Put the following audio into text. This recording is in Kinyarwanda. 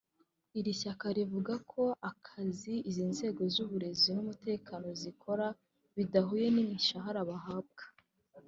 Iri shyaka rivuga ko akazi izi nzego z’uburezi n’umutekano zikora bidahuye n’imishahara bahabwa